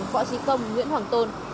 phó chí công nguyễn hoàng tôn